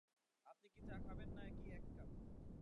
আপনি কি চা খাবেন না কি এক কাপ?